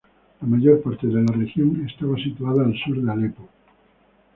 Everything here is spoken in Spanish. La mayor parte de la región estaba situada al sur de Alepo.